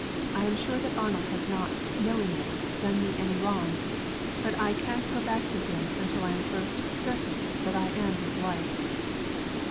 I am sure that Arnold has not, knowingly, done me any wrong. But I can't go back to him until I am first certain that I am his wife."